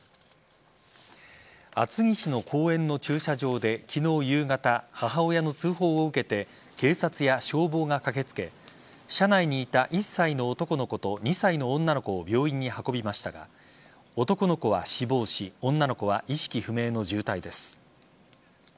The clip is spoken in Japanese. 厚木市の公園の駐車場で昨日夕方母親の通報を受けて警察や消防が駆けつけ車内にいた１歳の男の子と２歳の女の子を病院に運びましたが男の子は死亡し女の子は意識不明の重体です。